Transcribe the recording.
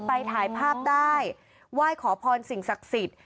ไปถ่ายภาพได้ไหว้ขอพรสิ่งศักดิ์สิทธิ์